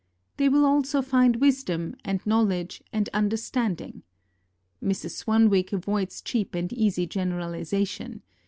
They will find also wisdom, and knowledge, and understanding. Mrs. Swanwick avoids cheap and easy generalisation.